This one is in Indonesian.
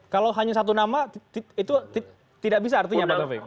kalau hanya satu nama itu tidak bisa artinya pak taufik